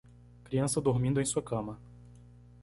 criança dormindo em sua cama.